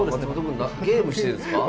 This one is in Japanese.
ゲームしてるんですか。